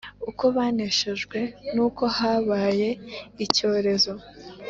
uko baneshejwe n'uko habaye icyorezo